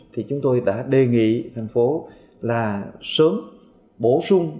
thì chúng tôi đã đề nghị thành phố là sớm bổ sung